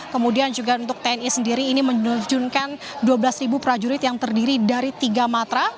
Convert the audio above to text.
kemudian juga untuk tni sendiri ini menerjunkan dua belas prajurit yang terdiri dari tiga matra